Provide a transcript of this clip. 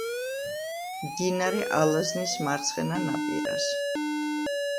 მდინარე ალაზნის მარცხენა ნაპირას.